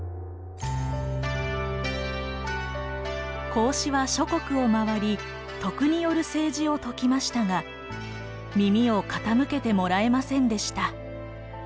孔子は諸国を回り徳による政治を説きましたが耳を傾けてもらえませんでした。